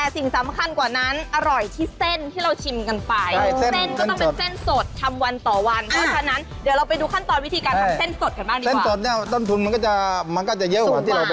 ใส่เนื้อปลูลงไปค่ะ